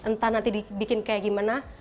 entah nanti dibikin kayak gimana